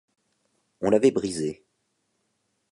On l’avait brisée.